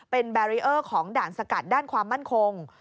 เป็นแบรีเออร์ของด่านสกัดด้านความมั่นคง